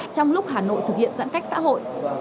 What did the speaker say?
trong lúc hà nội thực hiện giãn cách xã hội